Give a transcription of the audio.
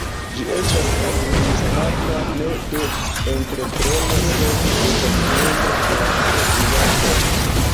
Ĝi estas administrata ne de entrepreno sed de komunumo de uzantoj.